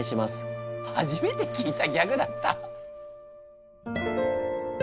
初めて聞いたギャグだった。